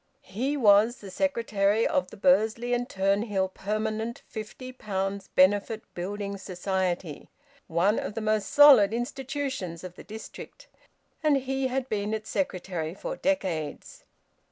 He was the secretary of the Bursley and Turnhill Permanent 50 pounds Benefit Building Society, one of the most solid institutions of the district. And he had been its secretary for decades.